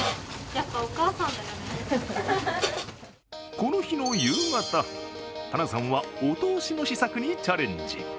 この日の夕方、晴名さんはお通しの試作にチャレンジ。